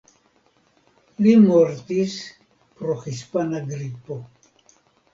Li mortis pro Hispana gripo.